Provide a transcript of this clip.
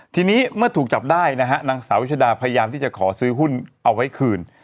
ทีนี้เมื่อถูกจับได้นะฮะนางสาววิชดาพยายามที่จะขอซื้อหุ้นเอาไว้คืน